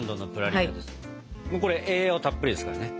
これ栄養たっぷりですからね。